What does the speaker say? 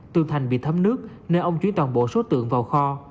từ thành bị thấm nước nên ông chuyển toàn bộ số tượng vào kho